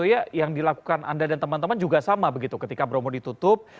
ya yang dilakukan anda dan teman teman juga sama begitu ketika bromo ditutup